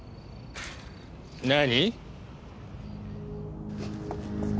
何！？